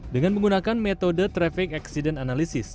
dengan menggunakan metode traffic accident analysis